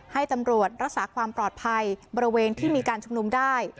ให้ตำรวจรักษาความปลอดภัยบริเวณที่มีการชุมนุมได้